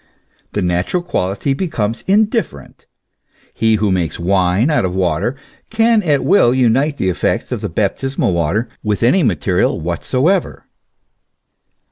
The natural quality becomes indifferent : he who makes wine out of water, can at will unite the effects of baptismal water with any material whatsoever.